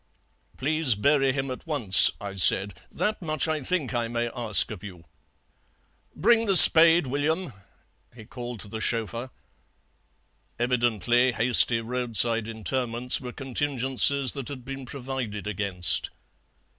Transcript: "'Please bury him at once,' I said; 'that much I think I may ask of you.' "'Bring the spade, William,' he called to the chauffeur. Evidently hasty roadside interments were contingencies that had been provided against.